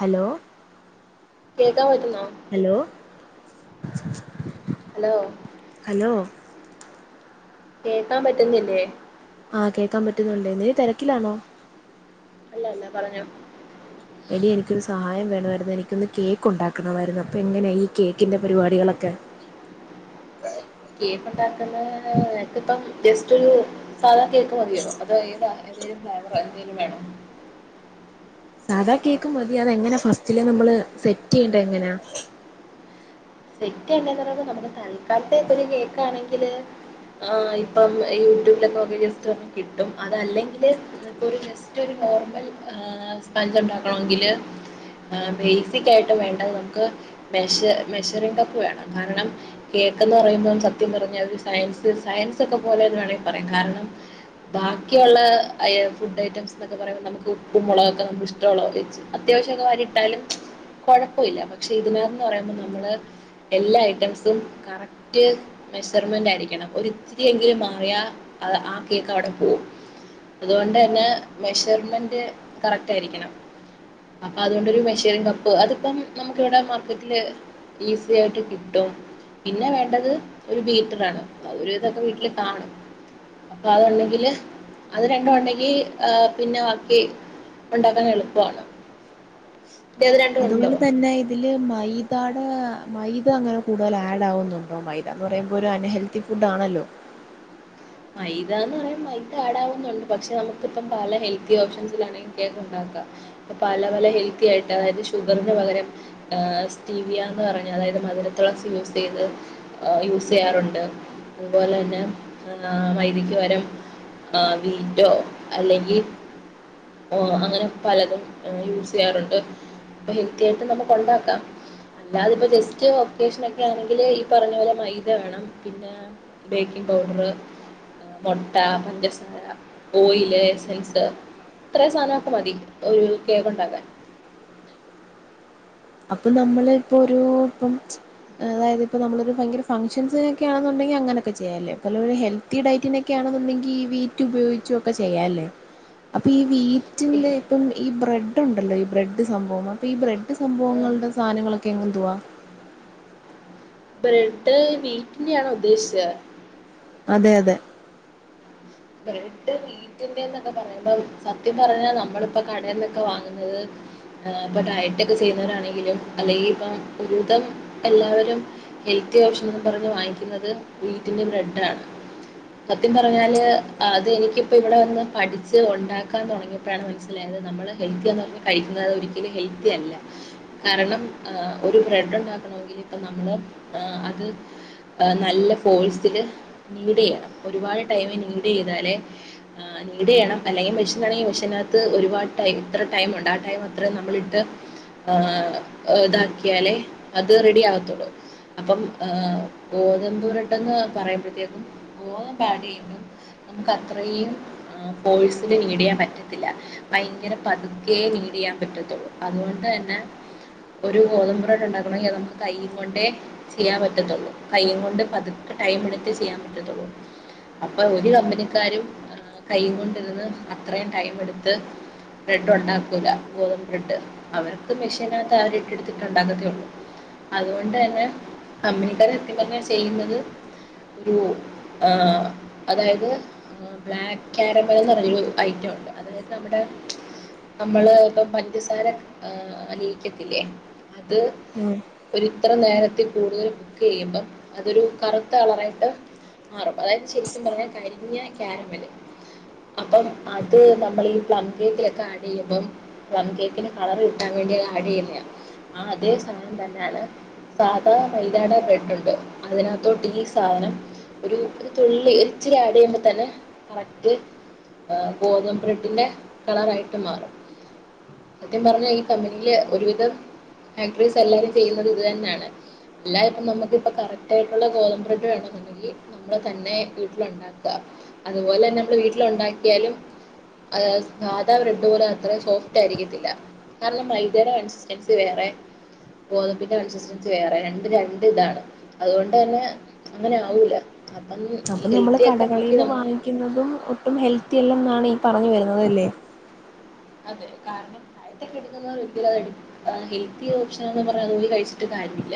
Hello കേക്കാൻ പറ്റുന്നോ hello [inaudible] hello [inaudible] hello കേക്കാൻ പറ്റുന്നില്ലേ ആ കേക്കാൻ പറ്റുന്നുണ്ട് നീ തെരക്കിലാണോ അല്ല അല്ല പറഞ്ഞോ എടീ എനിക്കൊരു സഹായം വേണാമായിരുന്നു എനിക്കൊന്ന് കേക്ക് ഉണ്ടാകണമായിരുന്നു അപ്പൊ എങ്ങനെ ഈ കേക്കിന്റെ പരിപാടികളൊക്കെ കേക്ക് ഉണ്ടാകുന്ന [unintelligible] അത് ഇപ്പം ജസ്റ്റ്‌ ഒരു സാധാ കേക്ക് മതിയോ അതാ ഏതാ ഏത് ഫ്ലേവറ എന്തേലും വേണോ സാധാ കേക്ക് മതി അത് എങ്ങനെ ഫസ്റ്റിലേ നമ്മൾ സെറ്റ് ചെയ്യണ്ടേ എങ്ങനാ സെറ്റ് ചെയ്യാണ്ടെന്ന് പറയുന്നത് നമുക്ക് തല്കാലത്തേക്ക് ഒരു കേക്ക് ആണെങ്കില് ആ ഇപ്പം യൂട്യൂബിലൊക്കെ നോക്കിജസ്റ്റ്‌ കിട്ടും അതല്ലങ്കില് നമുക്ക് ജസ്റ്റ്‌ ഒരു നോർമൽ ആ സ്പഞ്ച് ഉണ്ടാകാണെങ്കില് ആ ബേസിക് ആയിട്ട് വേണ്ടത് നമുക്ക് മേശർ മെഷറിംഗ് കപ്പ്‌ വേണം കാരണം കേക്കന്ന് പറയുമ്പോ സത്യം പറഞ്ഞാൽ ഒരു സയൻസ് സയൻസ്ഒക്കെ പോലെന്ന് വേണെങ്കി പറയാം കാരണം ബാക്കി ഒള്ളെ ആയ് ഫുഡ്‌ ഐറ്റെംസ്നോക്കെ പറയുമ്പോ നമ്മുക്ക് ഉപ്പു മോളെക്ക് നമ്മൾ ഇഷ്ട്ടൊള്ള വെച്ച് അത്യാവിഷോക്കെ വരി ഇട്ടാലും കൊഴപ്പ ഇല്ല പക്ഷേ ഇതിന്നത് എന്ന് പറയുമ്പോൾ നമ്മൾ എല്ലാ ഐറ്റംസും കറക്റ്റ് മെഷർമെന്റ് ആയിരിക്കണം ഒത്തിരിയെങ്കിലും മാറിയാ ആ കേക്ക് അവിടെ പോകും അതുകൊണ്ട് തന്നെ മെഷർമെന്റ് കറക്റ്റ് ആയിരിക്കണം അപ്പൊ അതുകൊണ്ടൊരു മെഷറിങ്ങ് കപ്പ് അതിപ്പം നമുക്ക് ഇവിടെ മാർക്കറ്റില് ഈസി ആയിട്ട് കിട്ടും പിന്നെ വേണ്ടത് ഒരു ബീറ്ററാണ് ഇതൊക്കെ വീട്ടില് കാണും അപ്പൊ അത്ണ്ടെങ്കില് അത് രണ്ടും ഉണ്ടെങ്കി ഏ പിന്നെ ബാക്കി ഉണ്ടാക്കാൻ എളുപ്പാണ് അതുപോലെ തന്നെ ഇതില് മൈദ മ്ഹ് മൈദ അങ്ങനെ കൂടുതൽ ആഡ് ആവുന്നുണ്ടോ മൈദ എന്ന് പറയുമ്പോ ഒരു അൺഹെൽത്തി ഫുഡ് ആണല്ലോ മൈദ എന്ന് പറയാ മൈദ ആടാവുന്നുണ്ട് പക്ഷെ നമുക്കിപ്പം പല ഹെൽത്തി ഓപ്ഷൻസിലാണെങ്കി കേക്ക് ഉണ്ടാക്കാം ഇപ്പ പല പല ഹെൽത്തി ആയിട്ട് അതായത് ഷുഗറിന് പകരം സ്റ്റീവിയാന്ന് പറഞ്ഞ അതായത് മധുര തുളസി യൂസ് ചെയ്ത് ഏ യൂസ് ചെയ്യാറുണ്ട് അതുപോലെ തന്നെ എന്നാ മൈദക്ക് പകരം ആ വീറ്റോ അല്ലെങ്കി ഓ അങ്ങനെ പലതുംഏ യൂസ് ചെയ്യാറുണ്ട് ഇപ്പൊ ഹെൽത്തി ആയിട്ട് നമുക്ക് ഉണ്ടാക്കാം അല്ലാതെ ഇപ്പോ ജസ്റ്റ് ഒക്കേഷൻ ഒക്കെ ആണെങ്കില് ഈ പറഞ്ഞ പോലെ മൈദ വേണം പിന്നെ ബേക്കിങ് പൗഡറ്, മൊട്ട, പഞ്ചസാര, ഓയില്, എസൻസ് ഇത്രേം സാനൊക്ക മതി ഒരു കേക്ക് ഉണ്ടാക്കാൻ അപ്പൊ നമ്മള് ഇപ്പൊ ഒരു ഇപ്പംച്ച് അതായത് ഇപ്പൊ നമ്മളൊരു ഭയങ്കര ഫങ്ങ്ഷൻസിനൊക്കൊയാണെന്നുണ്ടെങ്കി അങ്ങനൊക്കെ ചെയ്യാല്ലേ പല പല ഹെൽത്തി ഡയറ്റിനൊക്കെയാണെന്നുണ്ടെങ്കി ഈ വീറ്റ് ഉപയോഗിച്ചും ഒക്കെ ചെയ്യാല്ലേ അപ്പൊ ഈ വീ ഓക്കെ, റ്റിന്റെ ഇപ്പം ഈ ബ്രെഡ് ഇത് ഉണ്ടല്ലോ ഈ ബ്രെഡ് സംഭവം അപ്പൊ ഈ ബ്രെഡ് സംഭവങ്ങളുടെ സാനങ്ങളൊക്കെ എന്തുവാ ബ്രെഡ് വീറ്റിന്റെ ആണോ ഉദ്ദേശേ അതെ അതെ ബ്രെഡ് വീറ്റിന്റെ എന്നൊക്കെ പറയുമ്പ സത്യം പറഞ്ഞാൽ നമ്മളിപ്പൊ കടയിൽന്നൊക്കെ വാങ്ങുന്നത് ഇപ്പൊ ഡയറ്റൊക്കെ ചെയ്യുന്നവരാണെങ്കിലും അല്ലെങ്കിൽ ഇപ്പം ഒരുവിധം എല്ലാവരും ഹെൽത്തി ഓപ്ഷൻസ് എന്ന് പറഞ്ഞ് വാങ്ങിക്കുന്നത് വീറ്റിന്റെ ബ്രെഡാണ് സത്യം പറഞ്ഞാല് അത് എനിക്കിപ്പോൾ ഇവിടെ വന്ന് പഠിച്ച് ഉണ്ടാക്കാൻ തുടങ്ങിയപ്പോഴാണ് മനസ്സിലായത് നമ്മൾ ഹെൽത്തിയാന്ന് പറഞ്ഞ് കഴിക്കുന്നത് ഒരിക്കലും ഹെൽത്തി അല്ല കാരണം ഏ ഒരു ബ്രെഡ് ഉണ്ടാക്കണമെങ്കിൽ ഇപ്പോൾ നമ്മൾ അത് ആ നല്ല ഫോഴ്സില് നീഡ് ചെയ്യണം ഒരുപാട് ടൈമ് നീ നീട് ചെയ്താലേ ആ നീട് ചെയ്യണം അല്ലെങ്കിൽ മിഷിനാണെങ്കിൽ മെഷിനാത്ത് ഒരുപാട് ടൈം ഇത്ര ടൈമുണ്ട് ആ ടൈം അത്രേ നമ്മളിട്ട് ആ ഇതാക്കിയാലേ അത് റെഡി ആവത്തുള്ളൂ അപ്പം മ്ഹ് ഗോതമ്പൂ ബ്രെഡ്ന്ന് പറയുമ്പോഴത്തേക്കും ഗോതമ്പ് ആഡ് ചെയുമ്പോ നമുക്ക് അത്രയും ആ ഫോഴ്സില് നീഡ്‌ ചെയ്യാൻ പറ്റത്തില്ല ഭയങ്കര പതുക്കേ നീഡ് ചെയ്യാൻ പറ്റത്തുള്ളൂ അതുകൊണ്ട് തന്നെ ഒരു ഗോതബ്ബ്രെഡ് ഉണ്ടാക്കണങ്കിൽ അത് നമുക്ക് കൈയ്യും കൊണ്ടേ ചെയ്യാൻ പറ്റത്തുള്ളൂ കൈയ്യും കൊണ്ട് പതുക്കെ ടൈം എടുത്തേ ചെയ്യാൻ പറ്റത്തുള്ളൂ അപ്പൊ ഒരു കമ്പനിക്കാരും കൈയ്യും കൊണ്ടിരുന്ന് അത്രയും ടൈം എടുത്ത് ബ്രെഡ് ഉണ്ടാക്കൂല ഗോതമ്പ്ബ്രെഡ് അവർക്ക് മെഷിനാത്ത് അവര് ഇട്ടെടുത്തിട്ട് ഉണ്ടാക്കത്തേള്ളൂ അതുകൊണ്ട് തന്നെ കമ്പനിക്കാര് സത്യം പറഞ്ഞാ ചെയ്യുന്നത് ഒരു ആ അതായത് ബ്ലാക്ക് കാരമൽ എന്ന് പറഞ്ഞൊരു ഐറ്റ ഉണ്ട് അതായത് നമ്മുടെ നമ്മള് ഇപ്പൊ പഞ്ചസാര അലിയിക്കത്തില്ലേ അത് അ ഇത്ര നേരത്തിൽ കൂടുതൽ കുക്ക് ചെയ്യുമ്പോ അതൊരു കറുത്ത കളറായിട്ടു മാറും അതായത് ശെരിക്കും പറഞ്ഞാ കരി ഇഞ്ഞ് കാരമല് അപ്പം അത് നമ്മൾ ഈ പ്ലം കേക്കിലെക്കെ ആഡ് യ്യുമ്പം പ്ലം കേക്കിന് കളർ കിട്ടാൻ വേണ്ടി ആഡ് യ്യുന്നയാ ആ അതേ സാനം തന്നെയാണ് സാധാ മൈദാടെ ബ്രെഡുണ്ട് അതിനകത്തോട്ട് ഈ സാധനം ഒരു തുള്ളി ഒരിച്ചിരി ആഡ് യ്യുമ്പ തന്നെ കറക്റ്റ് എ ഗോതമ്പ്ബ്രെഡിന്റെ കളറായിട്ട് മാറും. സത്യം പറഞ്ഞ ഈ കമ്പനിയില് ഒരുവിധം ബേക്കേറീസ് എല്ലാരും ചെയ്യുന്നത് ഇത് തന്നെയാണ്. അല്ലാ ഇപ്പൊ നമുക്കിപ്പൊ കറക്റ്റ് ആയിട്ടുള്ള ഗോതമ്പ്ബ്രെഡ് വേണോന്നുണ്ടെങ്കി നമ്മൾ തന്നെ വീട്ടിലുണ്ടാക്ക ക. അതുപോലെ ന്നെ നമ്മള് വീട്ടിലുണ്ടാ ക്കിയാലും അത് സ് സാധാ ബ്രെഡ് പോലെ അത്രയും സോഫ്റ്റ് ആയിരിക്കത്തില്ല. കാരണം മൈദയുടെ കൺസിസ്റ്റൻസി വേറെ ഗോതമ്പിന്റെ കൺസിസ്റ്റൻസി വേറെ രണ്ടും രണ്ട് ഇതാണ് അതുകൊണ്ട് തന്നെ അങ്ങനെ ആവൂല. അപ്പം ഈ ഹെൽത്തി ആയി കളീന്ന്‌ വാങ്ങിക്കുന്നതും ഒട്ടും ഹെൽത്തി അല്ലെന്നാണ് പറഞ്ഞ് വരുന്നത് ല്ലെ അതെ കാരണം ഡയറ്റൊക്കെ എടുക്കുന്നവര് ഒരിക്കലും അത് എട് ഹെൽത്തി ഓപ്ഷനെന്ന് പറഞ്ഞ് അതൂടി കഴിച്ചിട്ട് കാര്യമില്ല.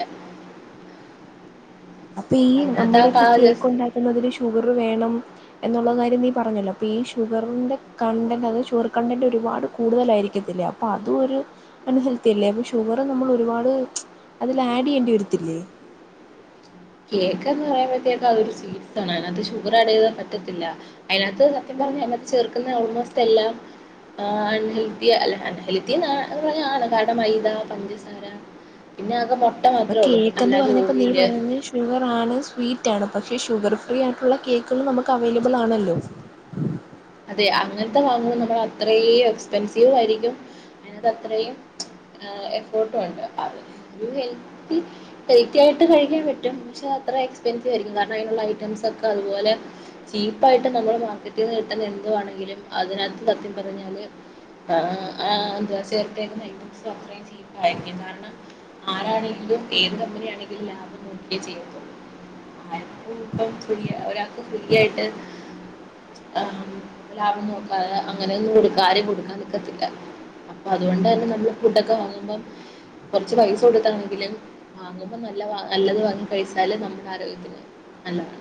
അപ്പൊ ഈ അതിനകത്ത് ആ നമ്മളിപ്പ പാ കേക്ക് ജസ്റ്റ് ഉണ്ടാക്കുന്നതില് ഷുഗറ് വേണം എന്നുള്ള കാര്യം നീ പറഞ്ഞല്ലോ അപ്പൊ ഈ ഷുഗറിന്റെ കണ്ടന്റ് അതും ഷുഗർ കണ്ടന്റ് ഒരുപാട് കൂടുതലായിരിക്കത്തില്ലേ അപ്പൊ അതു ഒരു അൺഹെൽത്തി അല്ലേ അപ്പൊ ഷുഗർ നമ്മൾ ഒരുപാട് അതിൽ ആഡ് യ്യേണ്ടി വെര്ത്തില്ലേ കേക്ക് എന്ന് പറയുമ്പത്തേക്കു അതൊരു സ്വീറ്റ്സ് ആണ്. അയിനകത്ത് ഷുഗർ ആഡ് യ്യാതെ പറ്റത്തില്ല. അയിനകത്ത് സത്യം പറഞ്ഞ അതിനത്ത് ചേർക്ക്ന്ന ഓൾമോസ്റ്റ് എല്ലാം ആ അൺഹെൽത്തി അല് അൺഹെൽത്തിന്ന് പറഞ്ഞ ആണ്. കാരണം മൈദ, പഞ്ചസാര പിന്നെ ആകെ മൊ ഇപ്പൊ കേക്കന്ന് പറഞ്ഞപ്പൊ നീ പറഞ്ഞു ഷുഗർ ആണ് സ്വീറ്റ് ആണ്. പക്ഷേ ഷുഗർ ഫ്രീ ആയിട്ട്ള്ള കേക്ക്ള് നമക്ക് അവൈലബിൾ ആണല്ലോ അതെ അങ്ങൻത്ത വാങ്ങുമ്പോൾ നമ്മൾ അത്രേ എക്സ്പെൻസീവു ആയിരിക്കും അയിനകത്ത് അത്രയും എഫോർട്ടും ഉണ്ട്. അപ്പ ഒരു ഹെൽത്തി ഹെൽത്തി ആയിട്ട് കഴിക്കാൻ പറ്റും. പക്ഷെ അത്ര എക്സ്പെൻസീവ് ആയിരിക്കും കാരണം അയിനുള്ള ഐറ്റംസ് ഒക്കെ അതുപോലെ ചീപ്പായിട്ട് നമ്മൾ മാർക്കറ്റീന്ന് കിട്ട് അയിന് എന്തുവാണെങ്കിലും അതിനകത്ത് സത്യം പറഞ്ഞാല് അ ആ എന്താ ചേർത്തേക്കുന്ന ഐറ്റംസും അത്രേം ചീപ്പായിരിക്കും. കാരണം ആരാണെങ്കിലും ഏത് കമ്പനിയാണെങ്കിലും ലാഭം നോക്കിയേ ചെയ്യത്തുള്ളൂ. ആര്ക്കു ഇപ്പം തുല്യ ഒരാൾക്ക് തുല്ല്യായിട്ട് ആ മ് ലാഭം നോക്കാതെ അങ്ങനെയൊന്നും ഒരു കാര്യം കൊടുക്കാൻ നിക്കത്തില്ല. അപ്പൊ അതൊണ്ട് ന്നെ നമ്മള് ഫുഡൊക്കെ വാങ്ങുമ്പം കൊറച്ച് പൈസ കൊടുത്താണെങ്കിലും വാങ്ങുമ്പ നല്ല വാ നല്ലത് വാങ്ങി കഴിച്ചാല് നമ്മുടെ ആരോഗ്യത്തിന് നല്ലതാണ്.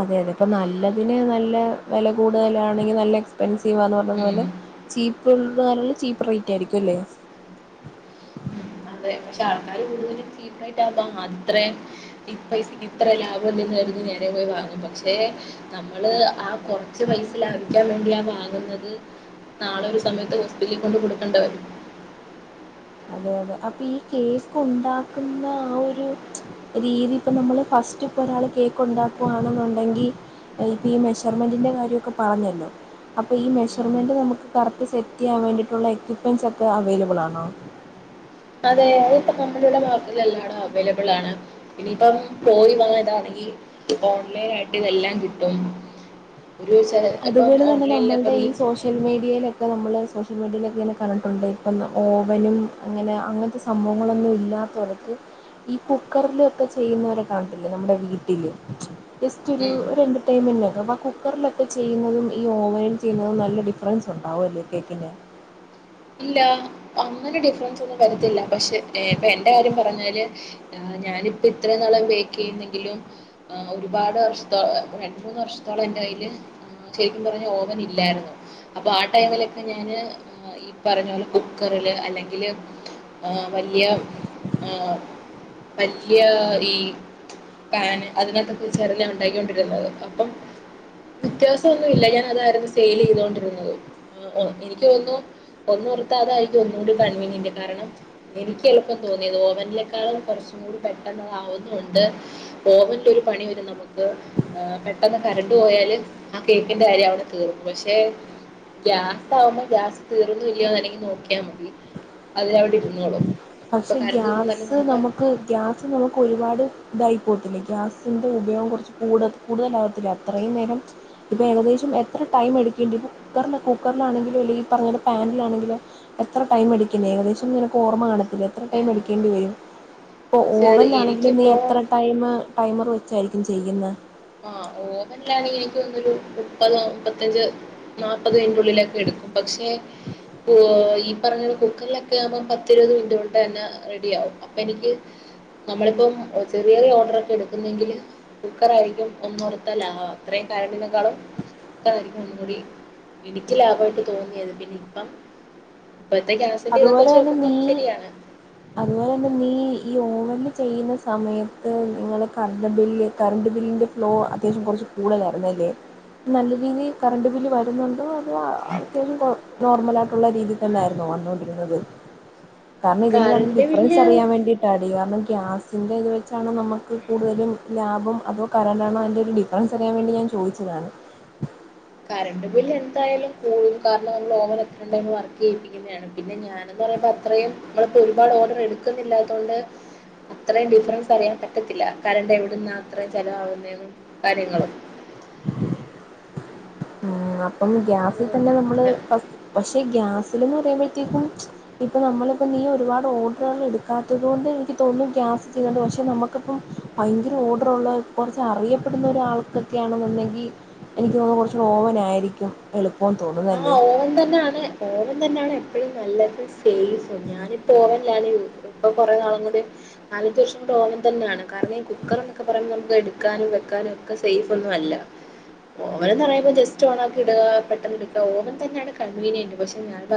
അതെ അതെ ഇപ്പൊ നല്ലതിന് നല് ല്ല വെല കൂടുതലാണെങ്കി നല്ല എക്സ് പെൻസീവാന്ന് പറഞ്ഞ ഉം. പോലെ ചീപ്പ്ള്ളല്ല ചീപ് റെയിറ്റായിരിക്കും ല്ലേ? ഉം അതെ പഷെ ആൾക്കാര് കൂടുതലും ചീപ്പായിട്ടാകുമ്പ അത്രേ ഈ പൈസക്ക് ലാഭമല്ലെന്നു കരുതും നേരെ പോയി വാങ്ങും പക്ഷെ നമ്മള് ആ കൊറച്ച് പൈസ ലാഭിക്കാൻ വേണ്ടി ആ വാങ്ങുന്നത് നാളെ ഒരു സമയത്ത് ഹോസ്പിറ്റലിൽ കൊണ്ട് കൊടുക്കണ്ടേ? അപ്പ ഈ കേക്ക് ഉണ്ടാക്കുന്ന ആ ഒരു രീതി ഇപ്പ നമ്മള് ഫസ്റ്റ് ഇപ്പൊ ഒരാൾ കേക്ക് ഉണ്ടാക്കവാണെന്നുണ്ടെങ്കിൽ ഈ മെഷർമെന്റിന്റെ കാര്യമൊക്കെ പറഞ്ഞല്ലോ അപ്പൊ ഈ ഉം. മെഷർമെന്റ് നമുക്ക് കറക്റ്റ് സെറ്റ് ചെയ്യാൻ വേണ്ടിട്ടുള്ള എക്യുപ്മെന്റ്സ് ഒക്കെ അവൈലബിൾ ആണോ? അതെ അത്പ്പ കമ്പനിയുടെ മാർക്കറ്റിൽ എല്ലാടും അവൈലബിൾ ആണ് ഇനിയിപ്പം പോയി വാങ്ങ ഇതാണെങ്കി ഓൺലൈൻ ആയിട്ട് ഇതെല്ലാം കിട്ടും. ഒരു ചെ ഇപ്പം അതുപോലെ തന്നെ ഓൺലൈനിൽ നമ്മൾടെ ഇപ്പം നീ ഈ സോഷ്യൽ മീഡിയയിലൊക്കെ നമ്മള് സോഷ്യൽ മീഡിയയിലൊക്കെങ്ങനെ [unintelligible] ഇപ്പം ഓവനും അങ്ങനെ അങ്ങനത്തെ സംഭവങ്ങളൊന്നും ഇല്ലാത്തവർക്ക് ഈ കുക്കറിലൊക്കെ ചെയ്യുന്നവരെ കണ്ടില്ലേ നമ്മടെ വീട്ടില് ജസ്റ്റൊരു ഉം ഒര് എന്റർടൈൻമെന്റകാം ആ കുക്കറിലൊ [unintelligible] ഓവനിൽ ചെയ്യുന്നത് നല്ല ഡിഫ്‌റൻസ് ഉണ്ടാവൂവല്ലേ കേക്കിന്? ഇല്ല അങ്ങനെ ഡിഫ്‌റൻസ് ഒന്നു ഉണ്ടാവത്തില്ല, പഷേ എ പ്പ എന്റെ കാര്യം പറഞ്ഞപോലെ ഞാനിപ്പിത്രേ നാള് ബേക്ക് ചെയ്യെന്നെങ്കിലും ഒരുപാട് വർഷം പ്പ രണ്ട് മൂന്ന് വർഷം ത്തോളം എന്റെ കയ്യില് ശെരിക്കും പറഞ്ഞ ഓവന് ഇല്ലായിരുന്നു, അപ്പ ആ ടൈമിലൊക്കെ ഞാന് ഈ പറഞ്ഞപോലെ കുക്കറില് അല്ലെങ്കില് ആ വല്ല്യ ആ വല്ല്യ ഈ പാന് അതിനാത്ത വെച്ചായിരുന്നു ഞാനൊണ്ടാക്കികൊണ്ടിരുന്നത് അപ്പം വ്യത്യാസൊന്നുല്ല ഞാനതായിരുന്നു ഫീല് ചെയ്തോണ്ടിരുന്നത് എനിക്ക് തോന്നു ഒന്നോർത്ത അതായിരിക്കുംഒന്നൂടി കൺവീനിയന്റ്, കാരണം എനിക്ക് എളുപ്പം തോന്നിത് ഓവൻലിക്കാളും കൊറച്ചും കൂടി പെട്ടന്നതാവുന്നുണ്ട് ഓവൻലൊരു പണി വരും തീർന്നു ഇനിയതല്ലങ്കി നോക്കിയ മതി അതവിടിരുന്നോളും. പഷേ ഗ്യാസ് നമക്ക് ഗ്യാസ് നമുക്കൊരുപാട് തായിപോത്തില്ലേ ഗ്യാസിന്റെ ഉപയോഗം കൊറച്ച് കൂട് കൂടുതലാവത്തില്ലേ അത്രയും നേരം ഇപ്പ ഏകദേശം എത്ര ടൈംമെടിക്കെണ്ടി ഇപ്പ കുക്കറിൽ കുക്കറിൽ ആണെങ്കിലും അല്ലങ്കി ഈ പറഞ്ഞ പനിലാണെകിലും എത്ര ടൈമെടിക്കില്ലേ ഏകദേശം നിനക്കോർമ കാണി എത്ര ടൈമെടിക്കേണ്ടി വരും പ്പ ചെറിയ ഓവൻലാണെകിലും നീ എനിക്കിപ്പോ എത്ര ടൈമ് ടൈമർ വെച്ചായിരിക്കും ചെയ്യ്ന്ന ആ ഓവൻലാണെങ്കി എനിക്ക് തോന്നു ഒരു മുപ്പത് മുപ്പത്തഞ്ച് നാപ്പത് ന്റെ ഉള്ളിലൊക്കെ എടുക്കും പഷേ ഈ പറഞ്ഞ കുക്കറിലൊക്കെ ആകുമ്പ പത്തിരുപതു മിനിറ്റ്കൊണ്ട് തന്നെ റെഡി ആകും അപ്പ എനിക്ക് നമ്മളിപ്പം ചെറിയചെറിയ ഓർഡറൊക്കെ എടുക്കുന്നെങ്കിൽ കുക്കറായിരിക്കും ഒന്നോർത്ത ലാഭ അത്രേം കറന്റിനെക്കാളും കുക്കറായിരിക്കും ഒന്നുംകൂടി എനിക്ക് ലാഭയിട്ട് തോന്നിയത് പിന്നെ ഇപ്പം ഇപ്പോഴത്തെ ഗ്യാസിന്റെ ഇതൊക്കെ വെച്ച് അതുപോലെന്നെ നോക്കുമ്പം നീ ശരിയാണ് അതുപോലെന്നെ നീ ഈ ഓവൻ ചെയ്യുന്ന സമയത്ത് നിങ്ങള് കറന്റ് ബില്ല് കറന്റ് ബില്ലിന്റെ ഫ്ലോ അത്യാവിശ്യം കൊറച്ച് കൂടുതലായിരുന്നല്ലേ നല്ല രീതിയിൽ കറന്റ് ബില്ല് വരുന്നുണ്ടോ അ ആ അത്യാവിശ്യം കൊഴ് നോർമലാ? ള്ള ആഹ് രീതിത്തന്നെയാരുന്നോ വന്നോൻ രുന്നത് കാരണം ഇതിന്റെ രണ്ടിന്റേം കറണ്ട് ഡിഫ്‌റൻസ് ബില്ല് അറിയാൻവേണ്ടിട്ടാടി കാരണം ഗ്യാസിന്റെ ഇത് വെ ചാണോ നമ്മക്ക് കൂടുതലും ലാഭം അതൊ കരന്റാണോ അതിന്റൊരു ഡിഫ്‌റൻസ് അറിയാൻവേണ്ടി ഞാൻ ചോദിച്ചതാണ്. കറണ്ട്ബില്ല് എന്തായാലും കൂടും കാരണം നമ്മളോവാൻ അത്രേം ടൈം വർക്ക് ചെയ്യിപ്പിക്കുന്നതാണ് പിന്നെ ഞാനെന്ന് പറയുമ്പോ അത്രേം ഒരുപാട് ഓർഡർ എടുക്കുന്നില്ലാത്തോണ്ട് അത്രേം ഡിഫ്‌റൻസ് അറിയാൻ പറ്റത്തില്ല കറന്റ്‌ എവിടുന്നാ അത്രേം ചെലവാകുന്നതെന്നും കാര്യങ്ങളും. [unintelligible] ഇപ്പം അത് ഗ്യാസിതന്നെ നമ്മള് തൊട്ടടുത്ത് പഷേ ഗ്യാസിലിന്ന് പറയുമ്പ കഴിയുമ്പഴ്ത്തേക്കും നമ്മളിപ്പ നീ ഒരുപാട് ഓർഡറുകാളെടുക്കാത്തൊണ്ട് എനിക്ക് തോന്ന്‌ന്നു ഗ്യാസ് [unintelligible] പഷേ നമുക്കപ്പം ഭയകര ഓർഡറുള്ള കൊറച്ചറിയപ്പെടുന്ന ഒരാൾക്കൊക്കെ ആണെന്നുണ്ടങ്കി എനിക്ക് തോന്ന്‌ന്നു കൊർ ഓവനായിരിക്കും എളു ആഹാ ഓവൻ തന്നെയാണ് ഓവൻ തന്നെയാണ് എപ്പോഴും നല്ലത് സേഫും ഞാനിപ്പോ ഓവനിലാണ് ഇപ്പൊ കൊറേനാളും കൊണ്ട് നാലഞ്ചു വർഷം കൂടി ഓവൻ തന്നെയാണ് കാരണം ഈ കുക്കർ എന്നൊക്കെ പറയുമ്പോ നമുക്ക് എടുക്കാനും വെക്കാനും ഒക്കെ സേഫ് ഒന്നും അല്ല ഓവനെന്ന് പറയുമ്പോ ജസ്റ്റ് ഓണക്കി ഇടുകാ പെട്ട ഓവൻ തന്നാണ് കൺവിനിയന്റ് പക്ഷെ ഞാൻ